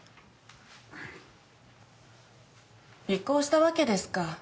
尾行したわけですか？